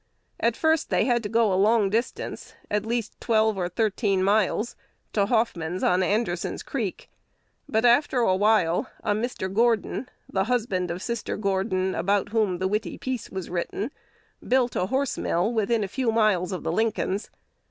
At first they had to go a long distance, at least twelve or thirteen miles, to Hoffman's, on Anderson's Creek; but after a while a Mr. Gordon (the husband of Sister Gordon, about whom the "witty piece" was written) built a horse mill within a few miles of the Lincolns.